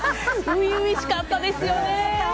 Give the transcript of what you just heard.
初々しかったですよね。